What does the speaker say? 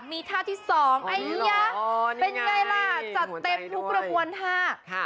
มีท่าที่สองไอเนี่ยเป็นไงล่ะจัดเต็มลูกละครท่า